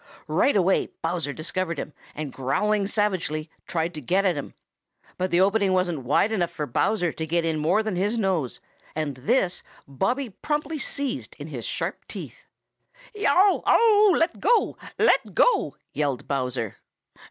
Right away Bowser discovered him, and growling savagely, tried to get at him. But the opening wasn't wide enough for Bowser to get more than his nose in, and this Bobby promptly seized in his sharp teeth. "Yow w w! Oh o o! Let go! Let go!" yelled Bowser.